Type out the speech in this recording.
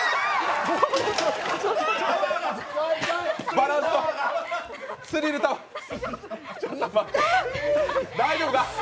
バランスとスリルと大丈夫か？